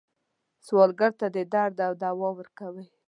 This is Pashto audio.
سوالګر ته د درد دوا ورکوئ